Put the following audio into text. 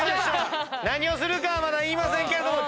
何をするかはまだ言いませんけれども。